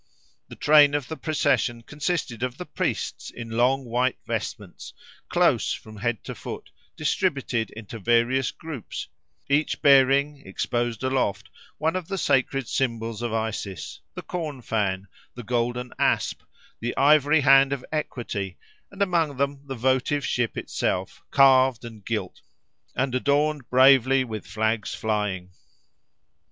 The train of the procession consisted of the priests in long white vestments, close from head to foot, distributed into various groups, each bearing, exposed aloft, one of the sacred symbols of Isis—the corn fan, the golden asp, the ivory hand of equity, and among them the votive ship itself, carved and gilt, and adorned bravely with flags flying.